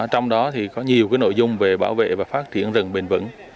trong đó có nhiều nội dung về bảo vệ và phát triển rừng bền vững